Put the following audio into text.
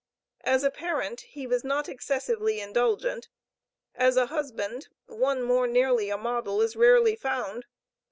As a parent, he was not excessively indulgent, as a husband, one more nearly a model is rarely found.